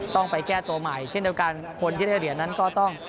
ต้องไปแก้ตัวใหม่เช่นเดียวกันคนที่ได้เหรียญนั้นก็ต้อง